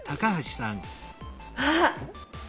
あっ！